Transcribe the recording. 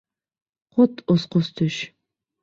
Ҡот осҡос төш!..